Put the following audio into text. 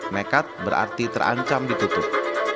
mekat berarti terancam ditutup